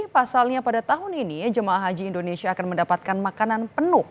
pasalnya pada tahun ini jemaah haji indonesia akan mendapatkan makanan penuh